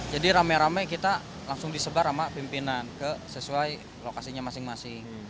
rame rame kita langsung disebar sama pimpinan ke sesuai lokasinya masing masing